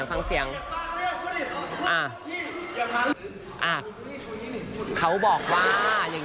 อย่างนี้ซึ่งก็ขอคำสั่ง